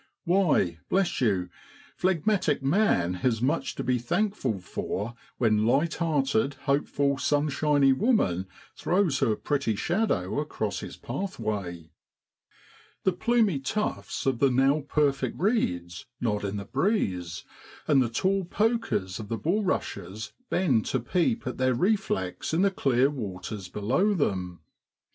Why, bless you, phlegmatic man has much to be thankful for when light hearted, hopeful, sunshiny woman throws her pretty shadow across his path way ! 84 AUGUST 77V BROADLAND. The plumy tufts of the now perfect reeds nod in the breeze, and the tall pokers of the bulrushes bend to peep at their reflex in the clear waters below them.